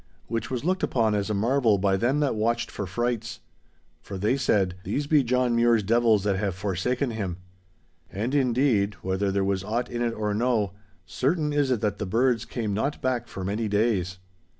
Which was looked upon as a marvel by them that watched for freits. For they said, 'These be John Mure's devils that have forsaken him.' And, indeed, whether there was aught in it or no, certain is it that the birds came not back for many days.